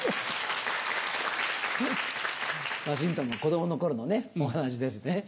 ワシントンの子供の頃のお話ですね。